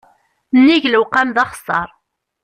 Nnig lewqam, d axeṣṣar.